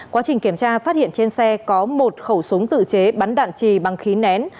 quá trình kiểm tra phát hiện trên xe có một khẩu súng tự chế bắn đạn trì bằng khí nén